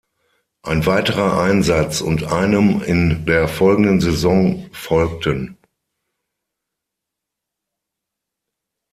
Ein weiterer Einsatz und einem in der folgenden Saison folgten.